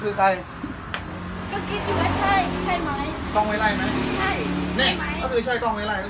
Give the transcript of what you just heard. ยืนยันเป้าต้องไวไลท์นะ